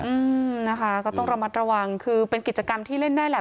อืมนะคะก็ต้องระมัดระวังคือเป็นกิจกรรมที่เล่นได้แหละ